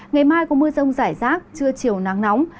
ngày mai có mưa rông rải rác trưa chiều nắng nóng